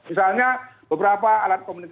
misalnya beberapa alat komunikasi